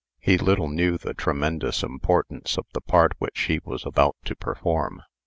He little knew the tremendous importance of the part which he was about to perform.